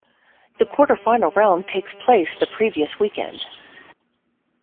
The quarterfinal round takes place the previous weekend.